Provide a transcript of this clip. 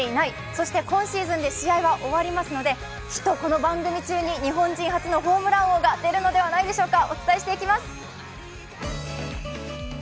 そして今シーズンで試合は終わりますのできっとこの番組中に日本人初のホームラン王が出るのではないでしょうか。